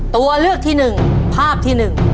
ตัวเลือกที่๑ภาพที่๑